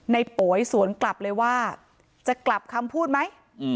โป๋ยสวนกลับเลยว่าจะกลับคำพูดไหม